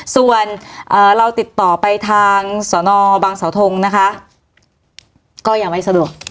ส่วนเราติดต่อไปทางสนบางสาวทงนะคะก็ยังไม่สะดวก